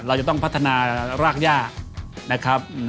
เราจะต้องพัฒนารากย่านะครับ